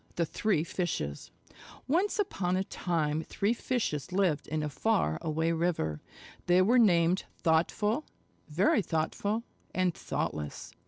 THE THREE FISHES Once upon a time three Fishes lived in a far away river. They were named Thoughtful, Very Thoughtful, and Thoughtless.